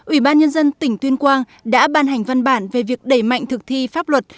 ủy ban nhân dân tỉnh tuyên quang đã ban hành văn bản về việc đẩy mạnh thực thi pháp luật